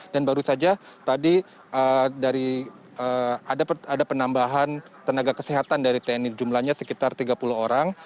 dan baru saja tadi ada penambahan tenaga kesehatan dari tni jumlahnya sekitar tiga puluh orang